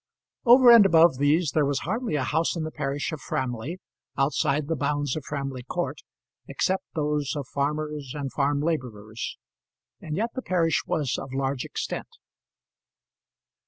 Over and above these, there was hardly a house in the parish of Framley, outside the bounds of Framley Court, except those of farmers and farm labourers; and yet the parish was of large extent.